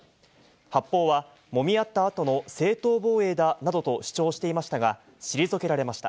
発砲はもみ合ったあとの正当防衛だなどと主張していましたが、退けられました。